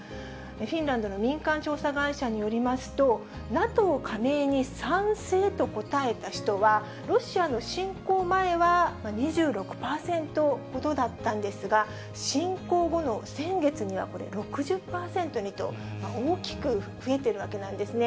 フィンランドの民間調査会社によりますと、ＮＡＴＯ加盟に賛成と答えた人は、ロシアの侵攻前は２６％ほどだったんですが、侵攻後の先月にはこれ、６０％にと、大きく増えているわけなんですね。